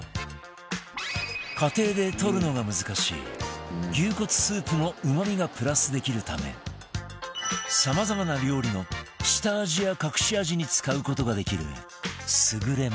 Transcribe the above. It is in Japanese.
家庭でとるのが難しい牛骨スープのうまみがプラスできるためさまざまな料理の下味や隠し味に使う事ができる優れもの